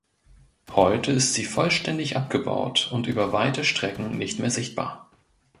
Heute ist sie vollständig abgebaut und über weite Strecken nicht mehr sichtbar.